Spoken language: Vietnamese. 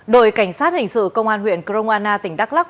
đội cảnh sát hình sự công an huyện kroana tỉnh đắk lắk